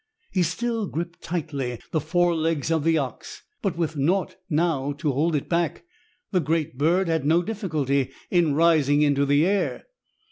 He still gripped tightly the forelegs of the ox, but with naught now to hold it back, the great bird had no difficulty in rising into the air.